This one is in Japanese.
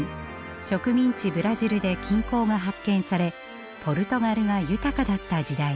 植民地ブラジルで金鉱が発見されポルトガルが豊かだった時代でした。